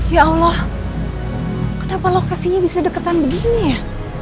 ya allah kenapa lokasinya bisa deketan begini ya